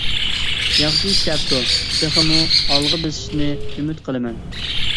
ياخشى ئىشلەپتۇ، تېخىمۇ ئالغا بېسىشىنى ئۈمىد قىلىمەن.